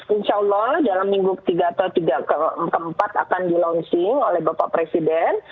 insya allah dalam minggu ketiga atau tiga keempat akan di launching oleh bapak presiden